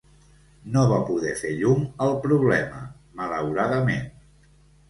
No va poder fer llum al problema, malauradament.